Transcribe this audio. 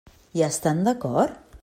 Hi estan d'acord?